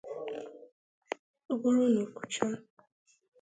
Ọ bụrụ na o kwuchaa